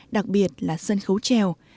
đặc biệt là sân khấu trèo